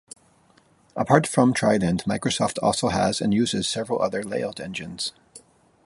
Apart from Trident, Microsoft also has and uses several other layout engines.